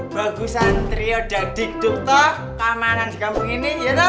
bagusan trio dagdikduk toh keamanan di kampung ini iya toh